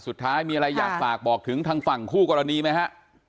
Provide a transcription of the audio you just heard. สุดท้ายมีอะไรอยากฝากบอกถึงทางฝั่งคู่กรณีไหมฮะ